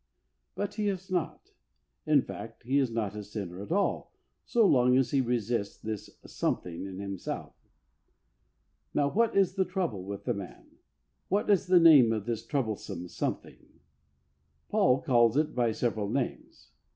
But DKATH OF THE OLD MAN. 3 he is not. In fact, he is not a sinner at all so long as he resists this something in himself. Now, what is the trouble with the man ? What is the name of this trouble some something? Paul calls it by several names.